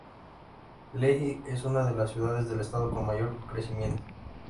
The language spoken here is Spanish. Lehi es una de las ciudades del estado con mayor crecimiento.